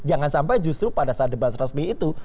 jangan sampai justru pada saat debat resmi itu